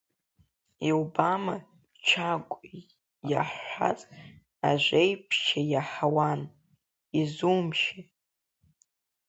Иубама, Чагә, иаҳҳәаз Ажәеиԥшьаа иаҳауан, изумшьи?